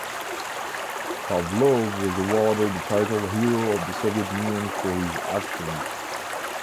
Pavlov was awarded the title Hero of the Soviet Union for his actions.